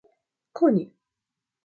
koni